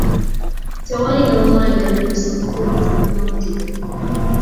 Tewali n'omu alina lukusa kukuba bannamawulire.